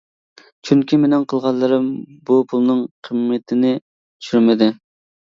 چۈنكى مېنىڭ قىلغانلىرىم بۇ پۇلنىڭ قىممىتىنى چۈشۈرمىدى.